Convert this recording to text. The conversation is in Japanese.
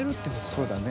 そうだね。